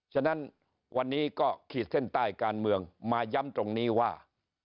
ฉะนั้นวันนี้ก็ขีดเส้นใต้การเมืองมาย้ำตรงนี้ว่า